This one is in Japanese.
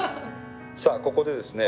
さあここでですね